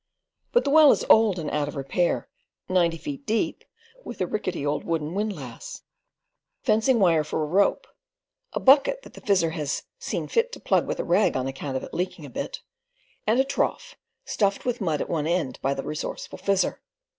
But the well is old and out of repair, ninety feet deep, with a rickety old wooden windlass; fencing wire for a rope; a bucket that the Fizzer has "seen fit to plug with rag on account of it leaking a bit," and a trough, stuffed with mud at one end by the resourceful Fizzer.